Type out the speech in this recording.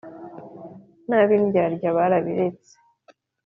n'ab'indyadya barabiretse